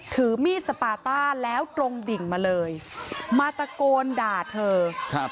ถือมีดสปาต้าแล้วตรงดิ่งมาเลยมาตะโกนด่าเธอครับ